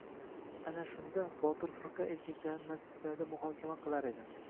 Ana shunda, Botir firqa erkaklarni majlislarda muhokamaga qo‘yar edi.